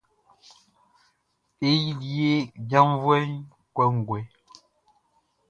Ye yili ye jaʼnvuɛʼm kɔnguɛ.